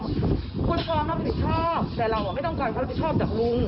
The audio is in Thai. คุณพ่อเขาผิดชอบแต่เราอ่ะไม่ต้องการเขาผิดชอบจากลุง